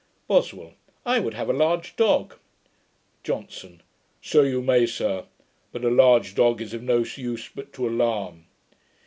BOSWELL. 'I would have a large dog.' JOHNSON. 'So you may, sir; but a large dog is of no use but to alarm.